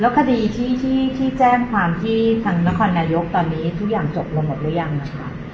คดีที่แจ้งความที่ทางนครนายกตอนนี้ทุกอย่างจบลงหมดหรือยังนะคะ